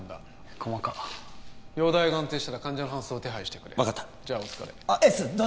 細かっ容体が安定したら患者の搬送を手配してくれ分かったじゃあお疲れエースどうだ？